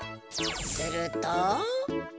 すると。